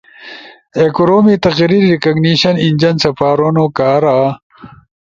اے کورومی تقریر ریکگنیشن انجن سپارونو کارا